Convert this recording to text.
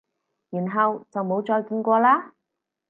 然後就冇再見過喇？